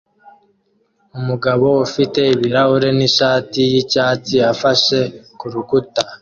Umugabo ufite ibirahure nishati yicyatsi afashe kurukuta